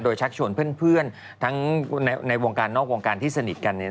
ชักชวนเพื่อนทั้งในวงการนอกวงการที่สนิทกัน